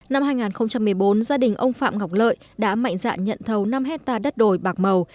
năm hai nghìn một mươi bốn gia đình ông phạm ngọc lợi đã mạnh dạng nhận thấu năm hectare đất đồi bạc màu